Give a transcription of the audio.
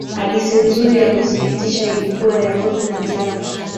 hadithi nzuri ya kusikitisha ilikuwa ya rose na jack